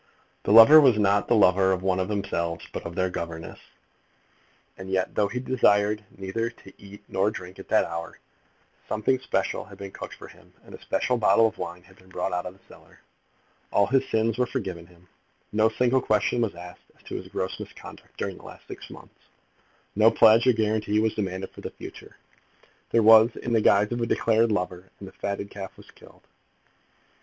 The lover was not the lover of one of themselves, but of their governess. And yet, though he desired neither to eat nor drink at that hour, something special had been cooked for him, and a special bottle of wine had been brought out of the cellar. All his sins were forgiven him. No single question was asked as to his gross misconduct during the last six months. No pledge or guarantee was demanded for the future. There he was, in the guise of a declared lover, and the fatted calf was killed.